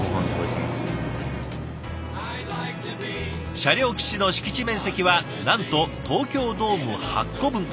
車両基地の敷地面積はなんと東京ドーム８個分。